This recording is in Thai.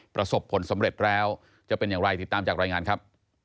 ประสบผลสำเร็จแล้วจะเป็นอย่างไรติดตามจากรายงานครับ